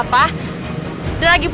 ki di engaging